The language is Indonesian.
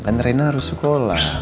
kan rena harus sekolah